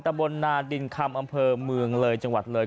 บนนาดินคำอำเภอเมืองเลยจังหวัดเลย